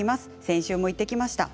先週も行ってきました。